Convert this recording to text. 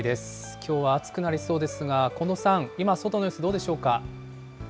きょうは暑くなりそうですが、近藤さん、今、外の様子どうでしょうか。